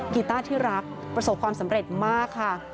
กีต้าที่รักประสบความสำเร็จมากค่ะ